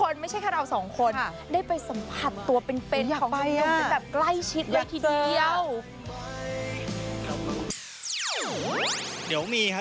เดี๋ยวเราก็มีครับ